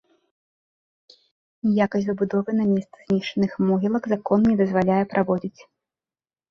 Ніякай забудовы на месцы знішчаных могілак закон не дазваляе праводзіць.